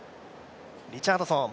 リチャードソン。